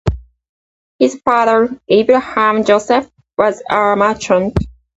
His father, Abraham Joseph, was a merchant.